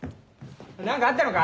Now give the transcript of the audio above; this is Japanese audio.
何かあったのか？